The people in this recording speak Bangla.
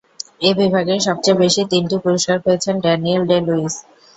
এ বিভাগে সবচেয়ে বেশি তিনটি পুরস্কার পেয়েছেন ড্যানিয়েল ডে-লুইস।